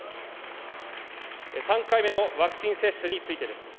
３回目のワクチン接種についてです。